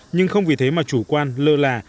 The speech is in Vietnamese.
nhưng không vì thế mà chủ quan lơ là